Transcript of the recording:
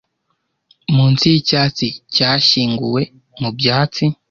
munsi yicyatsi cyashyinguwe mubyatsi